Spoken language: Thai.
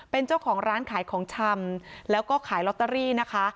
เป็นเจ้าของร้านขายของชำแล้วก็ขายลอตเตอรี่นะคะ